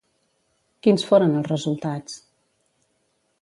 Quins foren els resultats?